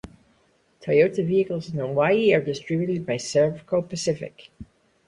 Toyota vehicles in Hawaii are distributed by Servco Pacific.